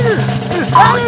ini ustad tolong bagi dia